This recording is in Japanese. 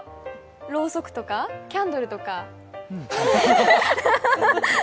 ろうそくとか、キャンドルとか？